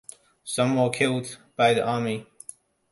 Some were killed by the Army.